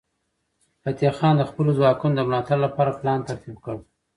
فتح خان د خپلو ځواکونو د ملاتړ لپاره پلان ترتیب کړ.